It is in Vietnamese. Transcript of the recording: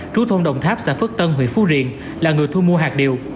trú thôn đồng tháp xã phước tân huyện phú riềng là người thu mua hạt điều